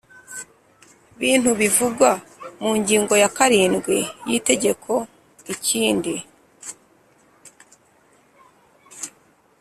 bintu bivugwa mu ngingo ya karindwi y Itegeko Ikindi